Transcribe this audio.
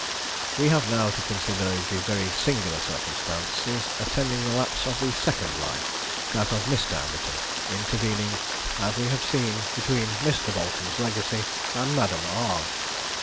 We have now to consider the very singular circumstances attending the lapse of the second life that of Mr. Anderton intervening, as we have seen, between Mr. Boleton's legacy and Madame R.